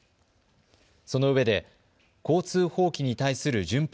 そのうえで交通法規に対する順法